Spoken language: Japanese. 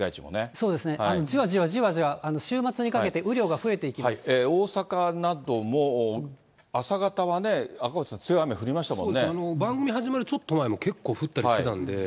そうですね、じわじわじわじわ、週末にかけて雨量が増えてい大阪なども朝方はね、赤星さん、そうですね、番組始まるちょっと前も、結構、降ったりしてたんで。